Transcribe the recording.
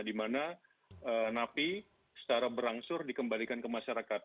di mana napi secara berangsur dikembalikan ke masyarakat